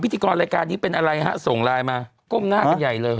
พิธีกรรายการนี้เป็นอะไรฮะส่งไลน์มาก้มหน้ากันใหญ่เลย